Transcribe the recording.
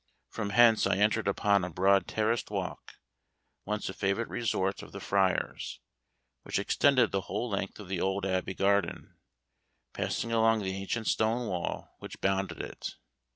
From hence I entered upon a broad terraced walk, once a favorite resort of the friars, which extended the whole length of the old Abbey garden, passing along the ancient stone wall which bounded it.